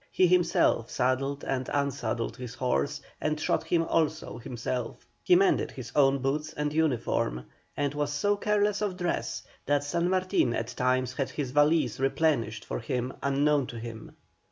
He himself saddled and unsaddled his horse, and shod him himself also. He mended his own boots and uniform, and was so careless of dress that San Martin at times had his valise replenished for him, unknown to him.